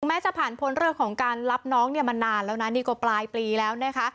แม้จะผ่านพ้นเรื่องของการรับน้องเนี่ยมานานแล้วนะนี่ก็ปลายปีแล้วนะคะ